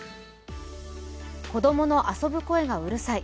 子供の遊ぶ声がうるさい。